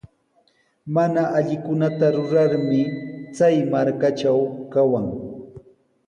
Mana allikunata rurarmi chay markatraw kawan.